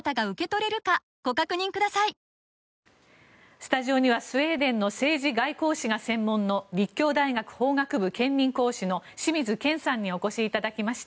スタジオにはスウェーデンの政治外交史が専門の立教大学法学部兼任講師の清水謙さんにお越しいただきました。